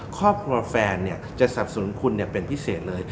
ครอบครัวแฟนเนี่ยจะสนับสนุนคุณเนี่ยเป็นพิเศษเลย